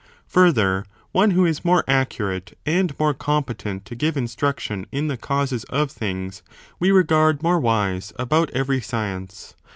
Further, one who is more accurate, and more competent to give in struction in the causes of things, we regard more wise about every science.